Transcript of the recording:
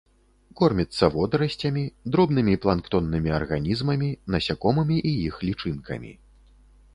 Корміцца водарасцямі, дробнымі планктоннымі арганізмамі, насякомымі і іх лічынкамі.